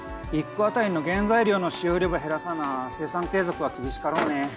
１個当たりの原材料の使用量ば減らさな生産継続は厳しかろうね。